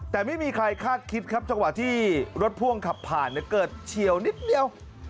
แต่ไม่มีใครคาดคิดครับจังหวะที่รถพ่วงขับผ่านเกิดเฉียวนิดเดียว